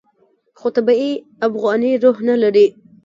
خو طبیعي افغاني روح نه لري.